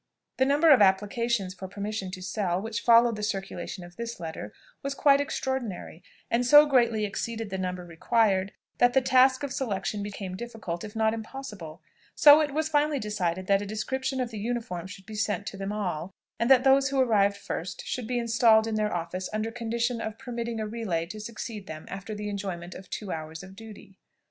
The number of applications for permission to sell, which followed the circulation of this letter, was quite extraordinary, and so greatly exceeded the number required, that the task of selection became difficult, if not impossible; so it was finally decided that a description of the uniform should be sent to them all, and that those who arrived first, should be installed in their office under condition of permitting a relay to succeed them after the enjoyment of two hours of duty.